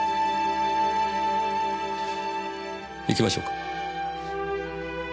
行きましょうか。